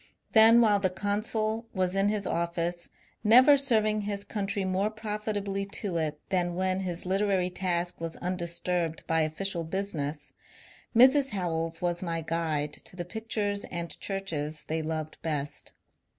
Then while the consul was in his office, never serving his country more profitably to it than when his literary task was undis turbed by official business, Mrs. Howells was my guide to the pictures and churches they loved best.